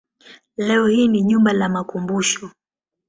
Leo hii ni jumba la makumbusho.